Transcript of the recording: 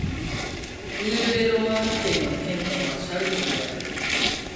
ウール＝エ＝ロワール県の県都はシャルトルである